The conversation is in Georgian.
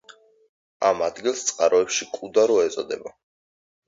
ამ ადგილს წყაროებში კუდარო ეწოდება.